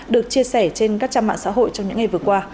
được chia sẻ trên các trang mạng xã hội trong những ngày vừa qua